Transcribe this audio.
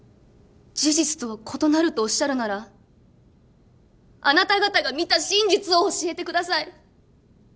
事実とは異なるとおっしゃるならあなた方が見た真実を教えてください。